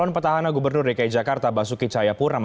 pemilihan umum daerah dki jakarta